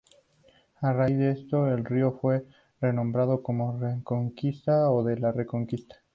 A raíz de esto, el río fue renombrado como "Reconquista" o "de la Reconquista".